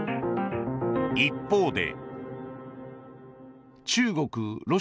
一方で。